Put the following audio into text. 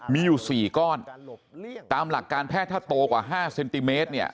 มีอยู่๔ก้อนตามหลักการแพทย์ถ้าโตกว่า๕เซนติเมตรเนี่ย